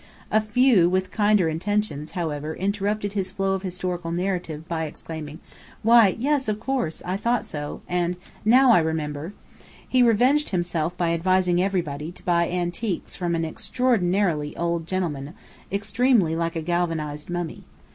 A few with kinder intentions, however, interrupted his flow of historical narrative by exclaiming, "Why, yes, of course!" "I thought so!" and "Now I remember!" He revenged himself by advising everybody to buy antiques from an extraordinary old gentleman, extremely like a galvanized mummy.